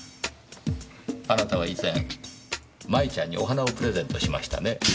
あなたは以前麻衣ちゃんにお花をプレゼントしましたね？